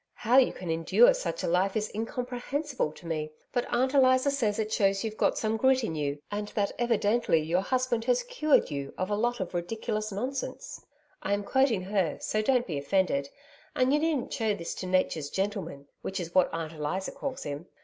How you can endure such a life is incomprehensible to me but Aunt Eliza says it shows you've got some grit in you, and that evidently your husband has cured you of a lot of ridiculous nonsense I am quoting her, so don't be offended, and you needn't show this to Nature's gentleman, which is what Aunt Eliza calls him.